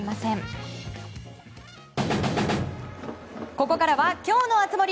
ここからはきょうの熱盛！